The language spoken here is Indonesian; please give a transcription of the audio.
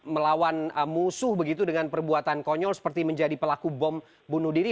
melawan musuh begitu dengan perbuatan konyol seperti menjadi pelaku bom bunuh diri